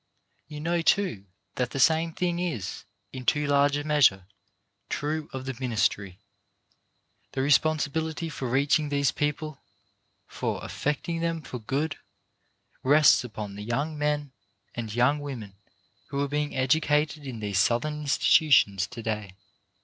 You know, too, that the same thing is, in too large a measure, true of the ministry. The responsibility for reaching these people, for affect ing them for good, rests upon the young men and young women who are being educated in these Southern institutions to day.